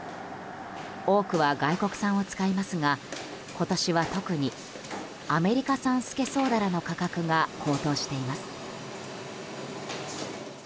多くは外国産を使いますが今年は特にアメリカ産スケソウダラの価格が高騰しています。